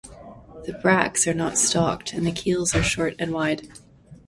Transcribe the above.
The bracts are not stalked and the keels are short and wide.